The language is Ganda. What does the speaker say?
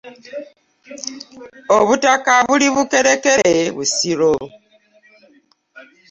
Obutaka buli Bukerekere Busiro.